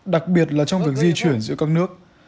đặc biệt là trong việc di chuyển giữa các nước